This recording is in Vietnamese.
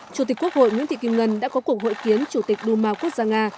chủ tịch quốc hội nguyễn thị kim ngân đã có cuộc hội kiến chủ tịch đu ma quốc gia nga